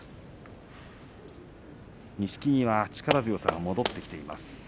錦木は力強さが戻ってきています。